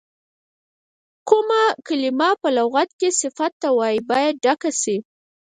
کومه کلمه په لغت کې صفت ته وایي باید ډکه شي.